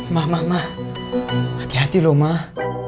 mah mah mah hati hati loh mah